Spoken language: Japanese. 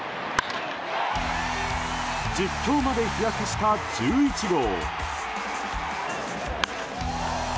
実況まで飛躍した１１号。